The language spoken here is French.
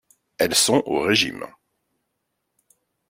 Elles sont au régime.